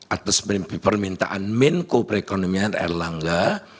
atas permintaan main co perekonomian erlangga